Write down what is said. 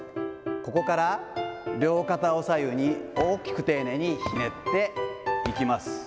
ここから両肩を左右に大きく丁寧にひねっていきます。